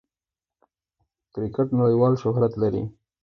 کرکټ نړۍوال شهرت لري.